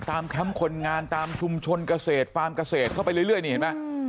แคมป์คนงานตามชุมชนเกษตรฟาร์มเกษตรเข้าไปเรื่อยนี่เห็นไหม